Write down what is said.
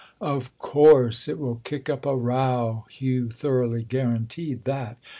"Of course it will kick up a row!"—Hugh thoroughly guaranteed that.